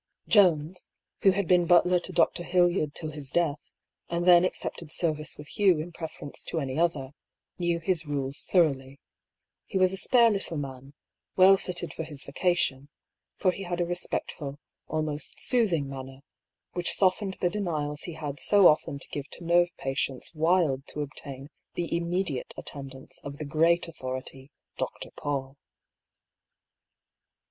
Jones, who had been butler to Dr. Hildyard till his death, and then accepted service with Hugh in prefer ence to any other, knew his rules thoroughly. He was THE BEGINNING OP THE SEQUEL. 161 a spare little man, well fitted for his vocation ; for he had a respectful, almost soothing manner, which soft ened the denials he had so often to give to nerve pa tients wild to obtain the immediate attendance of the great authority. Dr. Paull.